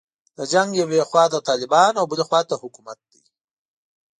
د جنګ یوې خواته طالبان او بلې خواته حکومت دی.